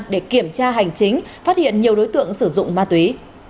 để kiểm tra hành chính phát hiện nhiều đối tượng sử dụng ma túy